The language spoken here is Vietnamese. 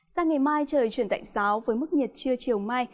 sang ngày mai trời chuyển tạnh giáo với mức nhiệt trưa chiều mai